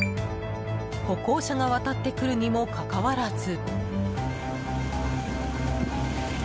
歩行者が渡ってくるにもかかわらず。